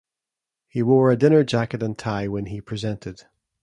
He wore a dinner jacket and tie when he presented.